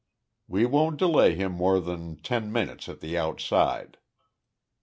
We won't delay him more than ten minutes at the outside."